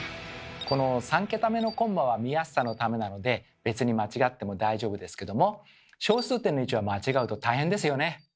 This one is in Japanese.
３桁目のコンマは見やすさのためなので別に間違っても大丈夫ですけども小数点の位置は間違うと大変ですよね。